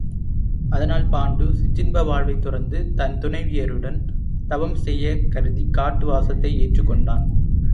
அதனால் பாண்டு சிற்றின்ப வாழ்வைத் துறந்து தன் துணைவியருடன் தவம் செய்யக் கருதிக் காட்டுவாசத்தை ஏற்றுக் கொண்டான்.